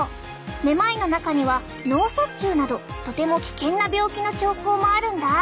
めまいの中には脳卒中などとても危険な病気の兆候もあるんだ。